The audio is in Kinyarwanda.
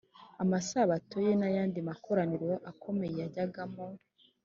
amasabato ye, n’andi makoraniro akomeye yajyagamo.